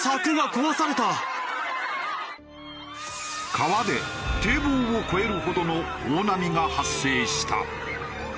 川で堤防を越えるほどの大波が発生した。